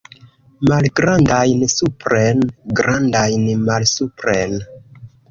Malgrandajn supren, grandajn malsupren.